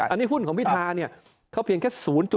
อันนี้หุ้นของพิธาเนี่ยเขาเพียงแค่๐๘